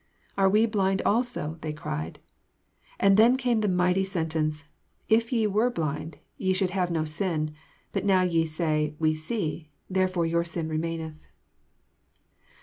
" Are we blind also?'' they cried. And then came the mighty sen tencci ^' If ye were blind, ye should have no sin : but now ye say. We see ; therefore your sin remaineth."